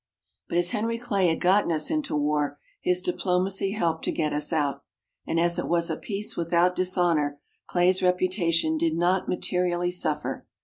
But as Henry Clay had gotten us into war, his diplomacy helped to get us out, and as it was a peace without dishonor, Clay's reputation did not materially suffer.